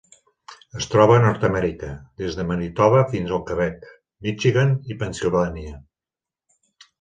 Es troba a Nord-amèrica: des de Manitoba fins al Quebec, Michigan i Pennsilvània.